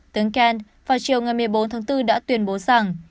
tướng ken vào chiều ngày một mươi bốn tháng bốn đã tuyên bố rằng